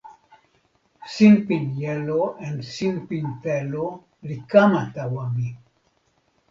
sinpin jelo en sinpin telo li kama tawa mi.